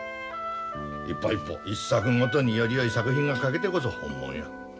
一歩一歩１作ごとによりよい作品が描けてこそ本物や。